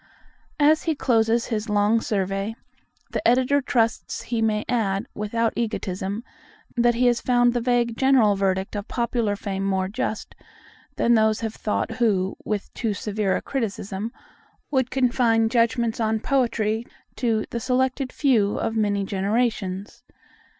As he closes his long survey, the Editor trusts he may add, without egotism, that he has found the vague general verdict of popular fame more just than those have thought who, with too severe a criticism, would confine judgments on poetry to "the selected few of many generations."